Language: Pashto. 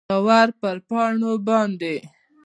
داور پر پاڼو باندي ،